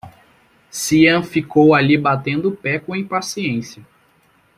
Sean ficou ali batendo o pé com impaciência.